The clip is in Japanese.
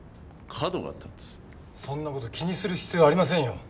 そんな事気にする必要ありませんよ。